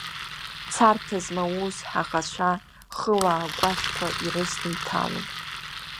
Царҭа змауз ҳаӷацәа хыла агәашәқәа ирысны иҭалон.